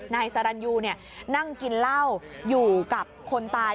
นายสรรยูนั่งกินเหล้าอยู่กับคนตาย